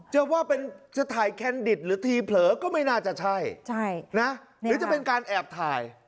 ว่าเป็นจะถ่ายแคนดิตหรือทีเผลอก็ไม่น่าจะใช่นะหรือจะเป็นการแอบถ่าย